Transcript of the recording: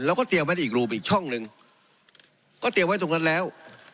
เราก็เตรียมไว้ในอีกรูปอีกช่องหนึ่งก็เตรียมไว้ตรงนั้นแล้ว